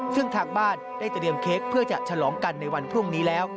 ซึ่งทางบ้านได้เตรียมเค้กเพื่อจะฉลองกันในวันพรุ่งนี้แล้ว